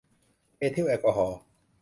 เอทิลแอลกอฮอล์